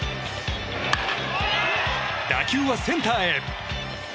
打球はセンターへ。